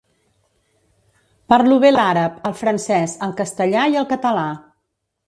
Parlo bé l'àrab, el francès, el castellà i el català.